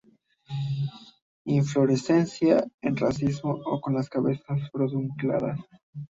Inflorescencia en racimo o con las cabezas pedunculadas.